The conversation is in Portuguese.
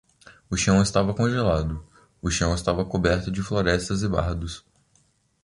O chão estava congelado; o chão estava coberto de florestas e bardos.